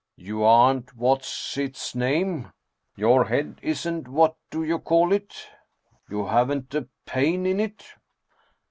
" You aren't what's its name ? Your head isn't what do you call it ? You haven't a pain in it